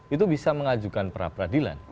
itu bisa mengajukan peradilan